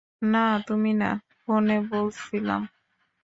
না তুমি না, ফোনে বলছিলাম।